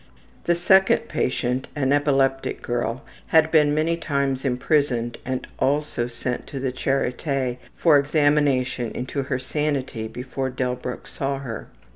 The second patient, an epileptic girl, had been many times imprisoned and also sent to the Charite for examination into her sanity before Delbruck saw her.